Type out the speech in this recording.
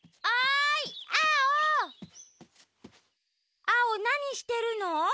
アオなにしてるの？